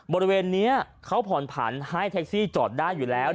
บริเวณนี้เขาผ่อนผันให้แท็กซี่จอดได้อยู่แล้ว